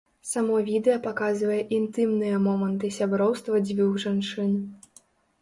Само відэа паказвае інтымныя моманты сяброўства дзвюх жанчын.